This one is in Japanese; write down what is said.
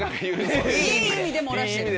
いい意味で漏らしてる。